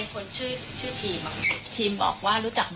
ของมันตกอยู่ด้านนอก